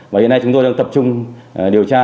và hiện nay chúng tôi đang tập trung điều tra